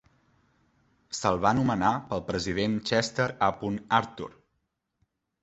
Se'l va anomenar pel president Chester A. Arthur.